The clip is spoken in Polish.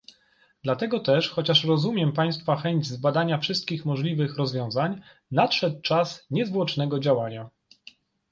Dlatego też, chociaż rozumiem Państwa chęć zbadania wszystkich możliwych rozwiązań, nadszedł czas niezwłocznego działania